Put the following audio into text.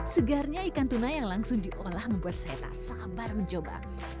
segarnya ikan tuna yang langsung diolah membuat saya tak sabar mencoba